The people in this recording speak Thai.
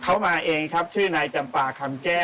เขามาเองครับชื่อนายจำปาคำแจ้